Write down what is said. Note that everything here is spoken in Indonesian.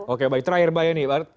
oke terakhir bayangin nih